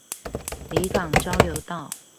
里港交流道